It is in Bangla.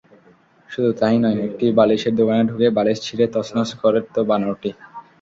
শুধু তা-ই নয়, একটি বালিশের দোকানে ঢুকে বালিশ ছিঁড়ে তছনছ করত বানরটি।